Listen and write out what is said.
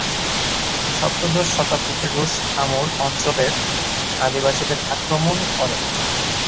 সপ্তদশ শতাব্দীতে রুশ আমুর অঞ্চলের আদিবাসীদের আক্রমণ করে।